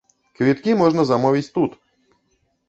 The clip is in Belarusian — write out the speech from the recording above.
Квіткі можна замовіць тут!